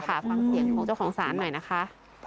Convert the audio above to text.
ฟังเสียงของเจ้าของศาลหน่อยนะคะ